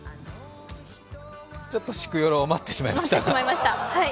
ちょっと、しくよろを待ってしまいましたが。